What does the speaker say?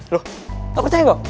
loh gak percaya kok